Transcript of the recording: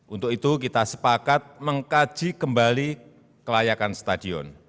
untuk itu kita sepakat mengkaji kembali kelayakan stadion